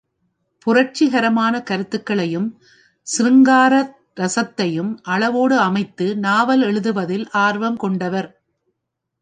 புரட்சிகரமான கருத்துக்களையும், சிருங்கார ரசத்தையும் அளவோடு அமைத்து நாவல் எழுதுவதில் ஆர்வம் கொண்டவர்.